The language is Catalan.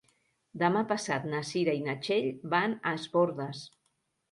Demà passat na Cira i na Txell van a Es Bòrdes.